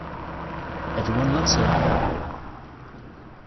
Everyone loves her.